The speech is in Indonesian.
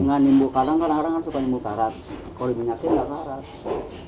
biar nggak nimbul kadang kadang kan suka nimbul karat kalau diminyakin nggak karat